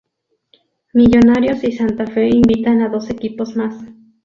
Millonarios y Santa Fe invitan a dos equipos más.